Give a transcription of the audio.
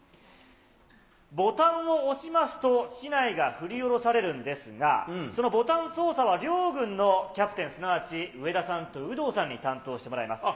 ボタンを押しますと、竹刀が振り下ろされるんですが、そのボタン操作は、両軍のキャプテン、すなわち上田さんと有働さんに担当してもらいます。